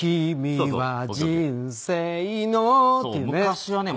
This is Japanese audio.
「君は人生の」っていうね。